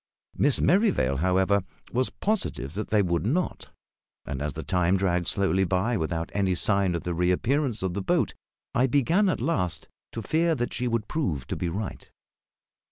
Miss Merrivale, however, was positive that they would not; and as the time dragged slowly by without any sign of the reappearance of the boat, I began at last to fear that she would prove to be right.